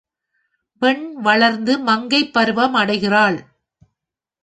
பெண் வளர்ந்து மங்கைப் பருவம் அடைகிறாள்.